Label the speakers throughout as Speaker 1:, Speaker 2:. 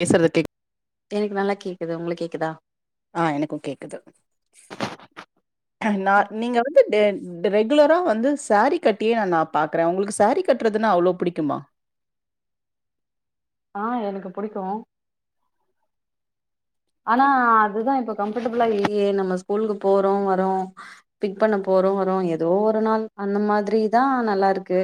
Speaker 1: பேசறது கேக்
Speaker 2: எனக்கு நல்லா கேக்குது ஒங்ளுக்கு கேக்குதா
Speaker 1: ஆ எனக்கு கேக்குது நா நீங்க வந்து டென் ரெகுலரா வந்து சேரீ கட்டியே நா நா பாக்றே ஒங்ளுக்கு சேரீ கட்றதுனா அவ்ளோ புடிக்குமா
Speaker 2: ஆ எனக்கு புடிக்கு ஆனா அதுதா இப்ப கம்ஃபர்டபிளா இல்லயே நம்ம ஸ்கூலுக்கு போறோ வறோ பிக் பண்ண போறோ வறோ எதோ ஒரு நாள் அந்த மாதிரி தா நல்லா இருக்கு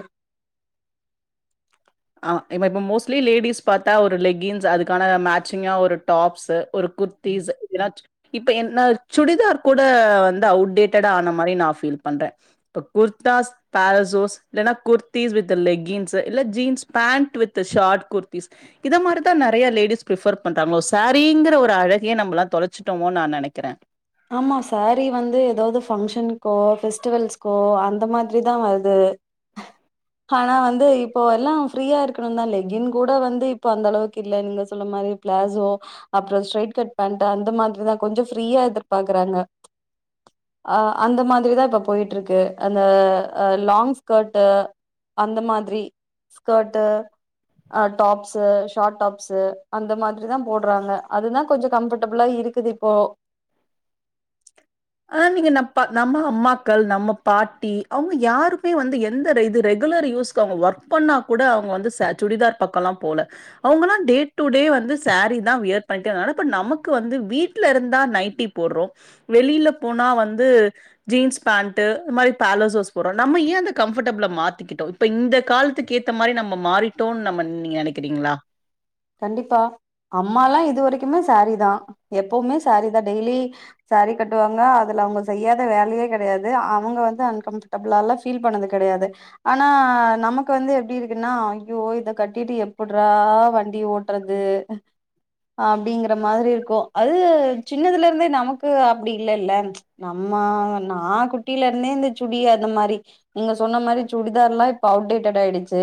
Speaker 1: ஆ இந்த இப்ப மோஸ்ட்லி லேடிஸ் பாத்தா ஒரு லெக்கின்ஸ் அதுக்கான மேச்சிங்கா ஒரு டாப்ஸு ஒரு குர்த்திஸ் [unintelligible] இப்ப என் நா சுடிதார் குட வந்து அவுட்டேட்டடா ஆன மாரி நா ஃபீல் பண்றே இப்ப குர்தாஸ் பேரசோஸ் இல்லனா குர்த்திஸ் வித் லெக்கீன்ஸு இல்ல jeans pant with short kurtis இத மார் தா நெறைய லேடிஸ் பிரிஃபர் பண்றாங்க சேரிங்ற ஒரு அழகே நம்மலா தொலச்சிட்டமோனு நா நெனக்கிறே
Speaker 2: ஆமா சேரீ வந்து எதாது ஃபங்க்ஷனுக்கோ ஃபெஸ்டிவல்ஸ்க்கோ அந்த மாதிரி தா வருது ஆனா வந்து இப்போ எல்லா ஃப்ரீயா இருக்கணுனு தா லெக்கின் கூட வந்து இப்ப அந்த அளவுக்கு இல்ல நீங்க சொல்ல மாரி பிளாசோ அப்றோ ஷட் கட் பேண்ட்டு அந்த மாதிரிதா கொஞ்ச ஃப்ரீயா எதிர்பாக்குறாங்க அ அந்த மாதிரிதா இப்ப பொயிட்ருக்கு அந்த லாங் ஸ்கர்ட்டு அந்த மாதிரி ஸ்கர்ட்டு அ டாப்ஸு ஷார்ட் டாப்ஸு அந்த மாதிரி தா போட்றாங்க அதுதா கொஞ்ச கம்ஃபர்டபிளா இருக்கு இது இப்போ
Speaker 1: ஆனா நீங்க நம் ப்பா நம்ம அம்மாக்கள் நம்ம பாட்டி அவங்க யாருக்குமே வந்து எந்த இது ரெகுலர் யூஸ் க்கு அவங்க ஒர்க் பண்ணா கூட அவங்க வந்து ச சுடிதார் பக்கலா போல அவங்களா டே டு டே வந்து சேரி தா வியர் பண்ட்டு ஆனா இப்ப நமக்கு வந்து வீட்ல இருந்தா நைட்டி போட்றோ வெளியில போனா வந்து ஜீன்ஸ் பேண்ட்டு இந்மாரி பேலசோஸ் போட்றோ நம்ம ஏ அந்த கம்ஃபர்டபிள மாத்திக்கிட்டோ இப்ப இந்த காலத்துக்கு ஏத்த மாரி நம்ம மாறிட்டோன் நம்ம நீங்க நெனக்கிறீங்களா
Speaker 2: கண்டிப்பா அம்மலா இது வரைக்குமே சேரீ தா எப்பவுமே சேரீ தா டெய்லி சேரி கட்டுவாங்க அதுல அவங்க செய்யாத வேலயே கெடயாது அவங்க வந்து அன்கம்ஃபர் டபுளாலா ஃபீல் பண்ணது கெடயாது ஆனா நமக்கு வந்து எப்டி இருக்குன்னா ஐயோ இத கட்டிட்டு எப்புட்றா வண் டி ஓட்றது அப்டிங்கற மாதிரி இருக்கு அது சின்னதுல இருந்தே நமக்கு அப்டி இல்லல்ல நம்ம நா குட்டில இருந்தே அந்த சுடி அது மாரி நீங்க சொன்ன மாரி சுடிதார்லா இப்ப அவுடேட்டடாயிடுச்சி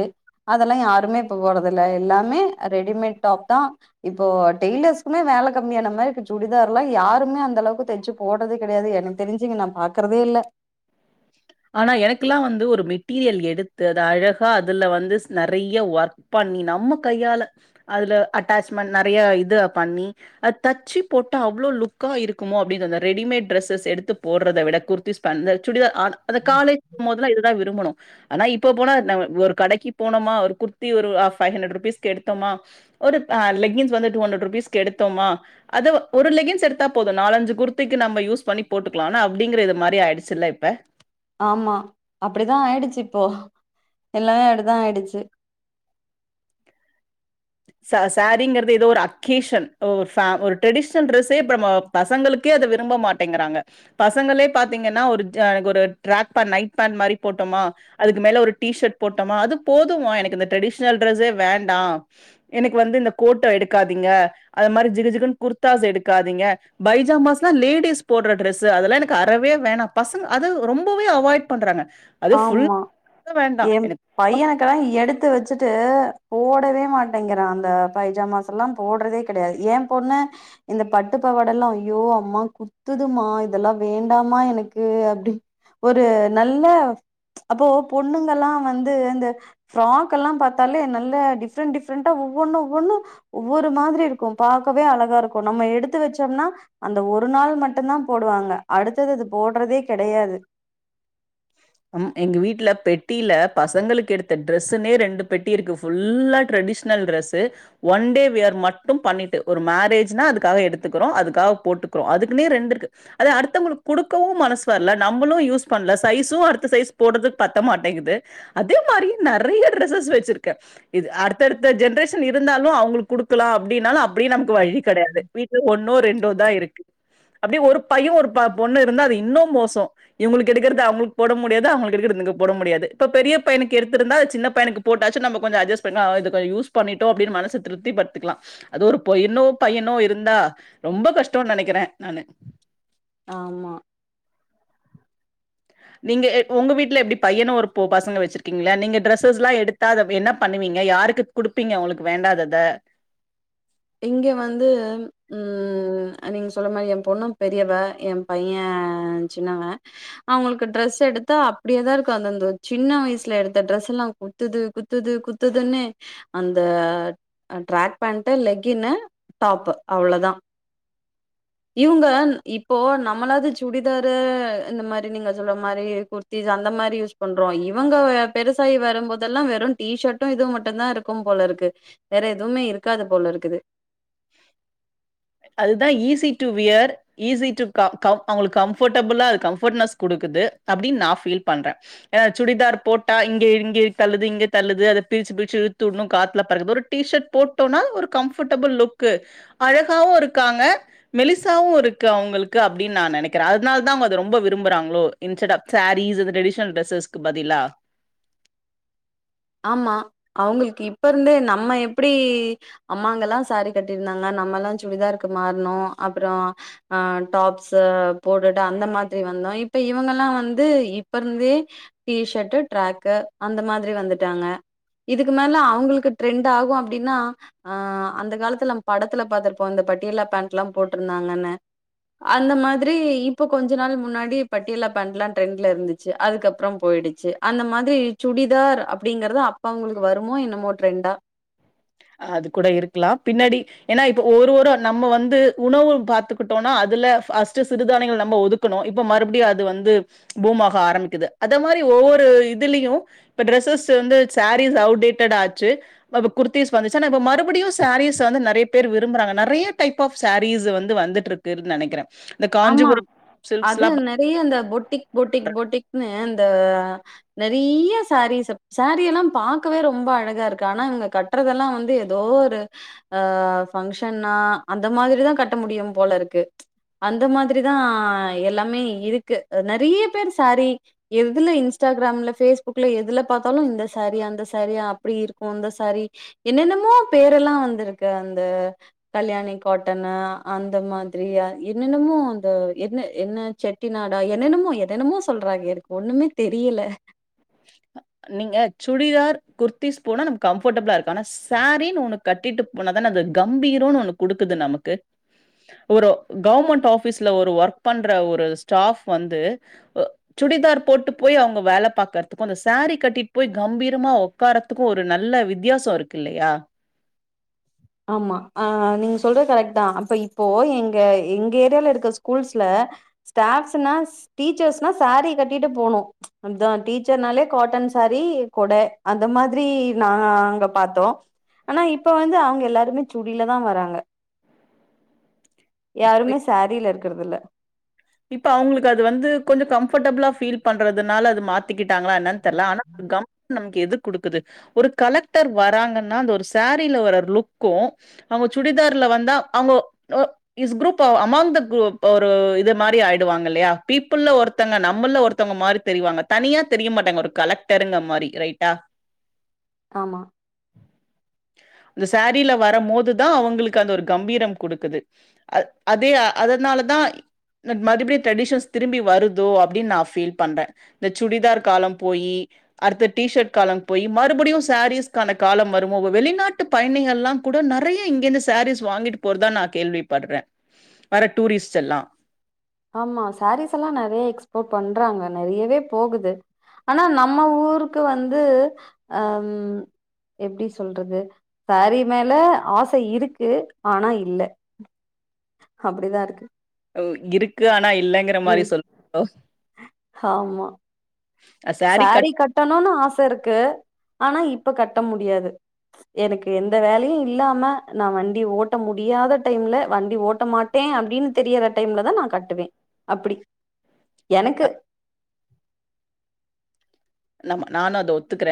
Speaker 2: அதெல்லா யாருமே இப்ப போறதில்ல எல்லாமே ரெடிமேட் டாப் தா இப்ப டெய்லர்ஸ்க்குமே வேல கம்மியான மாரி இருக்கு சுடிதார்லா யாருமே அந்த அளவுக்கு தச்சி போட்றதே கெடயாது எனக்கு தெரிஞ்சி இங்க நா பாக்றதே இல்ல
Speaker 1: ஆனா எனக்குலா வந்து ஒரு மெட்டீரியல் எடுத்து அது அழகா அதுல வந்து நெறைய ஒர்க் பண்ணி நம்ம கையால அதுல அட்டாச்மெண்ட் நெறைய இத பண்ணி அது தச்சி போட்ட அவ்ளோ லுக்கா இருக்குமோ அப்டினு அந்த ரெடிமேட் டிரெஸ்ஸஷ் எடுத்து போட்றத விட குர்த்திஸ் இப்ப அந்த சுடிதார் ஆ அந்த காலேஜ் [inaudible] தெல்லா இதுதா விருமுனோ ஆனா இப்ப போனா ந ஒரு கடக்கி போனமா ஒரு குர்த்தி ஒரு ஆ ஃபைவ் ஹண்ட்ரட் ருபீஸ்க்கு எடுத்தமா ஒரு அ லெகின்ஸ் வந்து டூ ஹண்ட்ரட் ருபீஸ்கு எடுத்தோமா அத ஒரு லெகன்ஸ் எடுத்தா போது நாலஞ்சு குர்த்திக்கு நம்ம யூஸ் பண்ணி போட்டுக்லானா அப்டிங்ற இது மாரி ஆய்டுச்சு இல்ல இப்ப
Speaker 2: ஆமா அப்டித்தா ஆயிடுச்சு இப்போ எல்லாமே அப்டிதா ஆயிடுச்சு
Speaker 1: ச சாரிங்றது ஏதோ ஒரு அக்கேஷன் ஒ ஃப் ஒரு ட்ரெடிஷ்னல் ட்ரெஸ்ஸே இப்ப நம்ம பசங்களுக்கே அத விரும்ப மாட்டேங்குறாங்க பசங்களே பாத்திங்கன்னா ஒரு எனக்கு ஒரு ட்ராக் பேண்ட் நைட் பேண்ட் மாரி போட்டோமா அதுக்கு மேல ஒரு டீஷர்ட் போட்டோமா அது போதுமா எனக்கு இந்த ட்ரெடிஷ்னல் ட்ரெஸ்ஸே வேண்டா எனக்கு வந்து இந்த கோட்ட எடுக்காதீங்க அது மாதிரி ஜிகு ஜிகுன்னு குர்தாஸ் எடுக்காதீங்க பைஜாமாஸ்ல்லா லேடிஸ் போட்ற ட்ரெஸ் அதெல்லா எனக்கு அறவே வேணா பசங்க அது ரொம்பவே அவாய்ட் பண்றாங்க அது புல்
Speaker 2: ஆமா
Speaker 1: இது வேண்டா
Speaker 2: ஏ
Speaker 1: எனக்கு
Speaker 2: பையனுக்கெல்லா எடுத்து வச்சுட்டு போடவே மாட்டேங்கிறா அந்த பைஜாமா செட் டெல்லா போட்றதே கெடையாது எ பொண்ணு இந்த பட்டு பவாடல்லா ஐயோ அம்மா குத்துதுமா இதெல்லா வேண்டாமா எனக்கு அப்டி ஒரு நல்ல அப்போ பொண்ணுங்கல்லா வந்து இந்த ஃப்ராக் எல்லா பாத்தாலே நல்ல டிஃப்ரண்ட் டிப்ரெண்டா ஒவ்வொன்னனு ஒவ்வொன்னு ஒவ்வொரு மாதிரி இருக்கு பாக்கவே அழகா இருக்குமக்ஷ நம்ம எடுத்து வச்சோம்னா அந்த ஒரு நாள் மட்டுதா போடுவாங்க அடுத்த நாள் அது போட்றதே கெடையாது
Speaker 1: ம் எங்க வீட்ல பெட்டியில பசங்களுக்கு எடுத்த ட்ரெஸ்ஸூனே ரெண்டு பெட்டி இருக்கு ஃபுல்லா traditional dress one day wear மட்டு பண்ணிட்டு ஒரு மேரேஜ்னா அதுக்காக எடுத்துக்குறோ அதுக்காக போட்டுக்குறோ அதுக்குன்னே ரெண்டு இருக்கு அது அடுத்தவங்ளுக்கு குடுக்கவு மனசு வரல நம்ளு யூஸ் பண்ல சைஸு அடுத்த சைஸ் போட்றதுக்கு பத்த மாட்டேங்குது அதே மாரியே நறைய ட்ரெஸ் வச்சிருக்கே இது அடுத்த அடுத்த ஜென்ரேஷன் இருந்தாலு அவுங்களுக்கு குடுக்கலா அப்டின்னாலு அப்டி நமக்கு வழி கெடையாது வீட்டு ஒன்னோ ரெண்டோ தா இருக்கு அப்டியே ஒரு பைய ஒரு ப பொண்ணு இருந்தா அது இன்னு மோசோ இவுங்களுக்கு எடுக்குற அவுங்களுக்கு போட முடியாது அவுங்களுக்கு எடுக்றத இங்க போட முடியாது இப்ப பெரிய பையனுக்கு எடுத்துருந்தா சின்ன பையனுக்கு போட்டச்சு நம்ம கொஞ்சோ அஜஸ்ட் பண்ண இது கொ யூஸ் பண்ட்டோ அப்டின்னு மனச கொஞ்சோ திருப்தி படுத்திக்லா அது ஒரு பொய்னோ பையனோ இருந்தா ரொம்ப கஷ்டோனு நெனைக்கிறே நானு
Speaker 2: ஆமா
Speaker 1: நீங்க எ உங்க வீட்ல எப்டி பையனோ ஒரு பொ பசங்க வச்சிருக்கீங்ளா நீங்க டிரெஸ்ஸஸ்ல எடுத் த்தாத என்ன பண்ணுவீங்க யாருக்கு குடுப்பீங்க உங்ளுக்கு வேண்டாதத
Speaker 2: இங்க வந்து ம் நீங்க சொல்ற மாரி எ பொண்ணு பெரியவ எ பைய சின்னவ அவுங்களுக்கு டிரெஸ் எடுத்தா அப்டியேதா இருக்கு அந்த அந்த சின்ன வயசுல எடுத்த டிரெஸ் எல்லா குத்துது குத்துது குத்துதுன்னே அந்த ட்ராக் பேண்ட்டு லெக் கினு டாப் அவ்ளோதா இவுங்க இப்போ நம்மளாது சுடிதாரு இந்த மாரி நீங்க சொல்ற மாரி குர் த்திஸ் அந்த மாரி யூஸ் பண்றோ இவுங்க பெருசாயி வரு போதெல்லா வெறு டீ ஷர்டு இது மட்டுதா இருக்கு க்கும் போல இருக்கு வேற எதுமே இருக்காது போலருக்குது
Speaker 1: அதுதா easy to wear easy to க க அவுங்களுக்கு கம்ஃபர்டபுளா இருக்கு அது கம்ஃபர்ட்னஸ் குடுக்குது அப்டின்னு நா ஃபீல் பண்றே ஏனா சுடிதார் போட்டா இங்க இங்க தள்ளுது இங்க தள்ளுது அத பிரிச்சு பிரிச்சு இழுத்து உட்ணு காத்துல பறக்குது ஒரு டீ ஷர்ட் போட்டோனா ஒரு கம்ஃபர்ட்டபுள் லுக் அழகாவு இருக்காங்க மெலிசாவு இருக்கு அவங்களுக்கு அப்டின் நா நெனைக்கிற அதுனாலதா அவுங்க அத ரொம்ப விரும்புறாங்களோ இன்ஸ்சடப் சேரீஸ் இந்த ட்ரெடிஷ்னல் டிரெஸ்ஸஸ்க்கு பதிலா
Speaker 2: ஆமா அவங்களுக்கு இப்ப இருந்தே நம்ம எப்டி அம்மாங்க எல்லா சேரீ கட்டிருந்தாங்க நம்ம எல்லா சுடிதாருக்கு மாற்ணு அப்புறோ ஆ டாப்ஸ்ஸு போட்டுட்டு அந்த மாதிரி வந்தோ இப்ப இவங்க எல்லா வந்து இப்ப இருந்தே டீ ஷட்டு டிரேக்கு அந்த மாதிரி வந்துட்டாங்க இதுக்கு மேல அவங்களுக்கு ட்ரெண்ட் ஆகு அப்டின்னா ஆ அந்த காலத்துல நம் படத்துல பாத்துருப்போ இந்த பட்டியலா பேண்ட்லாம் போட்டுருந்தாங்கன்னு அந்த மாதிரி இப்போ கொஞ்ச நாள் முன்னாடி பட்டியல்லா பேண்ட்லா ட்ரெண்டுல இருந்து ச்சு அதுக்கப்புறம் போயிடுச்சு அந்த மாதிரி சுடிதார் அப் அப்டிங்கிறது அப்ப அவங்களுக்கு வருமோ என்னமோ ட்ரெண்டா
Speaker 1: அது கூட இருக்கலா பின்னாடி ஏன்னா இப்ப ஒரு ஒரு நம்ம வந்து உணவு பாத்துக்கிட்டோன்னா அதுல ஃபஸ்ட்டு சிறுதானியங்கள் நம்ம ஒதுக் குனோ இப்ப மறுபடியு அது வந்து பூமாக ஆரம்பிக்குது அத மாரி ஒவ்வொரு இதுலியு இப்ப டிரெஸ்ஸஸ் வந்து சேரீஸ் அவுடேட்டடு ஆச்சு வவ் வவ் குருத் தீஸ் வந்துச்சு ஆனா மறுபடியு சேரீஸ் வந்து நறையா பேர் விரும்புறாங்க நறைய டைப் ஆஃப் சேரீஸ் வந்து வந்துட்ருக் க்குன் நெனைக்கிற இந்த காஞ்சிபுரம் சில்க்ஸ்லா பா
Speaker 2: போயி அந்த பொட்டிக் பொட்டிக் பொட்டிக்னு அந்த நறையா சேரீஸ்ஸ சேரீ எல்லாம் பாக்கவே ரொம்ப அழகா இருக்கு ஆனா இவுங்க கட் கட்றதெல்லா வந்து எதோ ஒரு அ பங்ஷன்னா அந்த மாதிரிதா கட்ட முடியும் போல இருக்கு அந்த மாதிரிதா எல்லாமே இருக்கு நறையா பேர் சேரீ எதுல இன்ஸ்டாகிராமுல ஃபேஸ்புக்ல எதுல பாத்தாலு இந்த சேரீ அந்த சேரீ அப்டி இருக்கு இந்த சேரீ என்னென்னமோ பேரெல்லா வந்துருக்கு அந்த கல்யாணி காட்டனு அந்த மாதிரி அ என்னென்னமோ அந்த என்ன என்ன செட்டி நாடா என்னென்னமோ என்னென்னமோ சொல்றாங்க எனக் ஒண்ணுமே தெரியல
Speaker 1: நீங்க சுடிதார் குர்த்திஸ் போனா நமக் கம்ஃபோர்டபுளா இருக்கு ஆனாஸ் சேரீன் ஒன்னு கட்டிட்டு போனாதான அது கம்பீரோனு ஒன்னு குடுக்குது நமக்கு ஒரு கவர்மெண்ட் ஆஃபீஸ்ல ஒரு ஒர்க் பண்ற ஒரு ஸ்டாப் வந்து சுடிதார் போட்டு போயி அவுங்க வேல பாக் க்குறத்துக்கு அந்த சேரீ கட்டிட் போயி கம்பீரமா உக்காறதுக்கு ஒரு நல்ல வித்தியாசோ இருக்கு இல்லயா
Speaker 2: ஆமா ஆ நீங்க சொல்றது கரெக்ட் தா அப்ப இப்போ எங்க எங்க ஏரியால இருக்க ஸ்கூல்ஸ்ல ஸ்டாப்ஸ்னா டீச்சர்ஸ்னா சேரீ கட்டிட்டு போனு அதா டீச்சர்னாலே காட்டன் சேரீ கொட அந்த மாதிரி நாங்க பாத்தோ ஆனா இப்ப வந்து அவுங்க எல்லாருமே சுடிலதா வராங்க யாருமே சேரீல இருக்குறதுல்ல
Speaker 1: இப்ப அவுங்களுக்கு அது வந்து கொஞ்சோ கம்ஃபர்டபுளா ஃபீல் பண்றதுனால அது மாத் திகிட்டாங்ளா என்னன் தெர்ல ஆனா ஒரு கமெண்ட் நமக்கு எது குடுக்குது ஒரு கலெக்டர் வராங்கன்னா அந்த ஒரு சேரீல வர லுக்கூ அவுங்க சுடிதார்ல வந்தா அவுங்க ஒ இஸ் குரூப்பா அமாங்த குரூப் அ ஒரு இது மார் ரி ஆயிடுவாங்க இல்லயா பீப்புள்ல ஒருத்தங்க நம்மல்ல ஒருத்தங்க மாரி தெரிவாங்க தனியா தெரிய மாட்டாங்க ஒரு கலக் டர்ங்க மாரி ரைட்டா
Speaker 2: ஆமா
Speaker 1: அந்த சேரீல வரமோதுதா அவுங்களுக்கு அந்த ஒரு கம்பீரம் குடுக்குது அ அதே அதனால தா மறுபடி ட்ரெடிஷன்ஸ் திரும்பி வருதோ அப்டினு நா ஃபீல் பண்ற இந்த சுடிதார் காலோபோயி அடுத்த டிஷர்ட் காலம் போயி மறுபுடியு சாரீஸ்கான காலம் வருமோ வெளிநாட்டு பயணிகள்லா கூட நெறைய இங்கேருந்து சாரீஸ் வாங்கிட்டு போறதா நா கேள்வி பட்ற வர டூரிஸ்ட்சேல்லா
Speaker 2: ஆமா சாரீஸ்சல்லா நெறைய எக்ஸ்போர்ட் பண்றாங்க நெறையவே போகுது ஆனா நம்ம ஊருக்கு வந்து அம் எப்டி சொல்றது சாரி மேல ஆச இருக்கு ஆனா இல்ல அப்டிதா இருக்கு
Speaker 1: ஒ இருக்கு ஆனா இல்லங்க
Speaker 2: ம் ஆமா சாரீ கட்டணுனு ஆச இருக்கு ஆனா இப்ப கட்ட முடியாது எனக்கு எந்த வேலயு இல்லாம நா வண்டி ஓட்ட முடியாத டைம்ல வண்டி ஓட்ட மாட் ட்டே அப்டின் தெரியிற டைம்ல தா நா கட்டுவே அப்டி எனக்கு
Speaker 1: நம நானு அத ஒத்துக்ற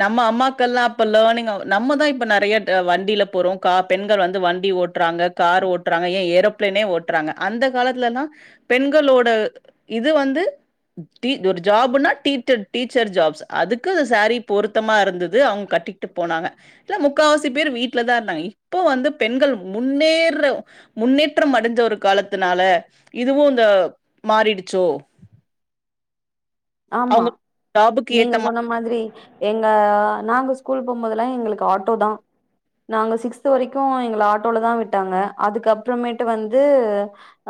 Speaker 1: நம்ம அம்மாக்கள்லா லர்னிங்கு நம்மதா இப்ப நெறைய வண்டில போறோ கா பெண்கள் வந்து வண்டி ஓட் ட்றாங்க கார்ரு ஓட்றாங்க ஏ ஏரோப்ளனே ஓட்றாங்க அந்த காலத்துலலா பெண்களோட இது வந்து டீ ஒரு ஜாப்னா டீதட் டீச்சர் ஜாப்ஸ் அதுக்கு அந்த சாரீ பொருத்தமா இருந்துது அவுங் கட்டிகிட்டு போனாங்க இல்ல முக்காவாசி பேரு வீட்லதா இருந்தாங்க இப்போ வந்து பெண்கள் முன்னேற முன்னேற்றம் அடைஞ்ச ஒரு காலத்துனால இதுவு இந்த மாறிடுச்சோ
Speaker 2: ஆமா
Speaker 1: அவங்க ஜாபுக்கு ஏத்த
Speaker 2: நீங்க
Speaker 1: மா
Speaker 2: சொன்ன மாதிரி எங்க நாங்க ஸ்கூல் போம்போதல்லா எங்களுக்கு ஆட்டோதா நாங்க சிக்ஸ்த் வரைக்கு எங்கல ஆட்டோல தா விட்டாங்க அதுக்கு அப்பறமேட்டு வந்து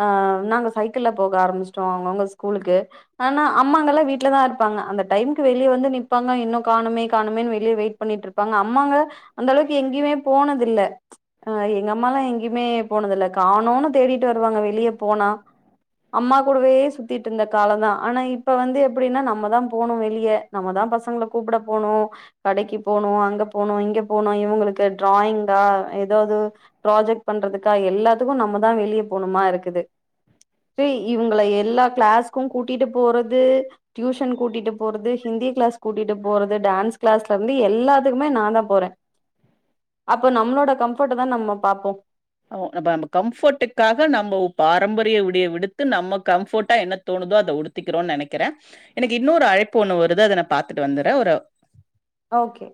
Speaker 2: ஆ நாங்க சைக்கிள்ல போக ஆரம்மிச்ட்டோ அவுங் அவுங்க ஸ்கூலுக்கு ஆனா அம்மாங்கல்லா வீட்ல தா இருப்பாங்க அந்த டைம்க்கு வெளிய வந்து நிப்பாங்க இன்னு காணுமே காணுமேனு வெளிய வெயிட் பண்ணிட்ருப்பாங்க அம்மாங்க அந்தளவுக்கு எங்கேயுமே போனதில்ல அ எங்க அம்மால்லா எங்கேமே போனதுல்ல காணோனு தேடிட்டு வருவாங்க வெளிய போனா அம்மா கூடவே சுத்திட்ருந்த கால தா ஆனா இப்ப வந்து எ ப்டினா நம்ம தா போணு வெளிய நம்ம தா பசங்கள கூப்ட போணு கடைக்கு போனு அங்க போனு இங்க போனு இவங்களுக்கு டிராயிங்கா ஏதாவ்து ப்ராஜெக்ட் பண்றதுக்கா எல்லாத்துக்கு நம்மதா வெளிய போணுமா இருக்குது [unintelligible] இவங்கள எல்லா கிளாஸ்கும் கூட்டிட்டு போறது டியூஷன் கூட்டிட்டு போறது ஹிந்தி கிளஸ் கூட்டிட்டு போறது டான்ஸ் கிளாஸ்லேற்ந்து எல்லாத்துக்குமே நா தா போற அப்ப நம்ளோட கம்ஃப்ட்ட தா நம்ம பாப்போ
Speaker 1: ஒ நம்ப நம்ப கம்ஃபர்ட்டுக்காக நம்போ பாரம்பரிய உடைய விடுத்து நம்ம கம்ஃபர்ட்டா என்ன தோணுதோ அத உத்திக்கிறோன் ந நெனக்கிற எனக்கு இன்னொரு அழைப்பு ஒண்ணு வருது அத நா பாத்துட்டு வந்துர ஒரு
Speaker 2: ஓகே